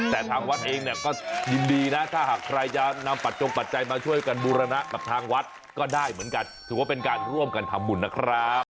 แต่ทางวัดเองเนี่ยก็ยินดีนะถ้าหากใครจะนำปัจจงปัจจัยมาช่วยกันบูรณะกับทางวัดก็ได้เหมือนกันถือว่าเป็นการร่วมกันทำบุญนะครับ